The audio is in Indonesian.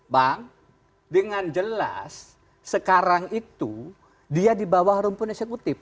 bang dengan jelas sekarang itu dia di bawah rumput eksekutif